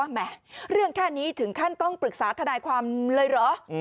แหมเรื่องแค่นี้ถึงขั้นต้องปรึกษาทนายความเลยเหรอ